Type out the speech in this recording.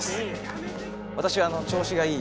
私は調子がいい